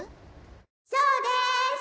そうです！